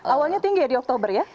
awalnya tinggi ya di oktober ya